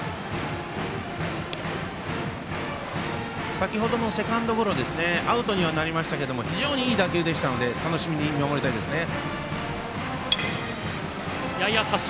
先程のセカンドゴロアウトにはなりましたけれども非常にいい打球でしたので楽しみに見守りたいですね。